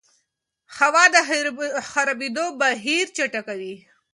هوا د خرابېدو بهیر چټکوي.